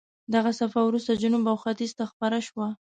دغه څپه وروسته جنوب او ختیځ ته خپره شوه.